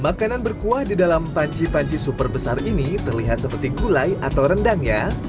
makanan berkuah di dalam panci panci super besar ini terlihat seperti gulai atau rendang ya